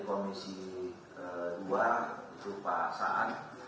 komisi kedua berupa saat